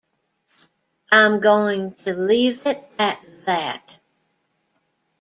I'm going to leave it at that.